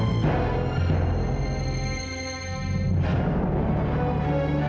nggak punya tisu